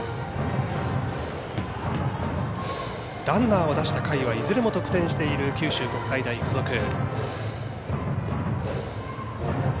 ランナーを出した回はいずれも得点している九州国際大付属。